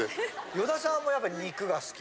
与田さんもやっぱ肉が好き？